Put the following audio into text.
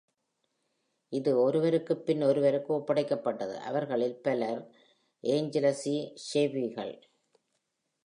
இது ஒருவருக்கு பின் ஒருவருக்கு ஒப்படைக்கப்பட்டது, அவர்களில் பலர் Anglesey Sheriffகள்.